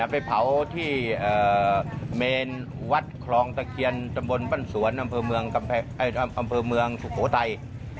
ไปเผาที่เมนวัดคลองตะเคียนตำบลบ้านสวนอำเภอเมืองสุโขทัย